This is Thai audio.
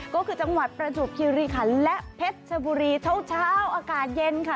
ก็คือจังหวัดประจวบคิริขันและเพชรชบุรีเช้าอากาศเย็นค่ะ